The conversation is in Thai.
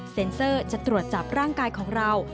เซอร์จะตรวจจับร่างกายของเรา